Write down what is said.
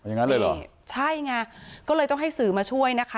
อย่างนั้นเลยเหรอใช่ไงก็เลยต้องให้สื่อมาช่วยนะคะ